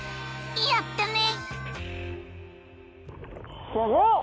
やったね！